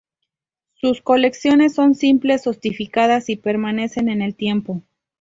Sus colecciones son simples, sofisticadas y permanecen en el tiempo.